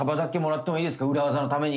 裏ワザのために。